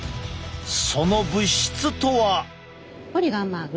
その物質とは。